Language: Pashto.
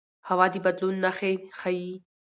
هوا د بدلون نښې ښيي